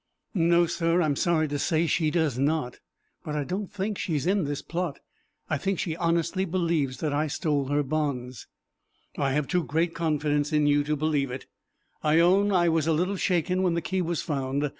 "No, sir, I am sorry to say she does not; but I don't think she is in this plot. I think she honestly believes that I stole her bonds." "I have too great confidence in you to believe it. I own I was a little shaken when the key was found.